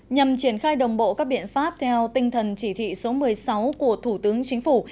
nhằm triển khai đồng bộ các biện pháp theo tinh thần chỉ thị số một mươi sáu của thủ tướng chính phủ